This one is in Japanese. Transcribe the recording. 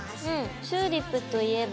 チューリップといえば。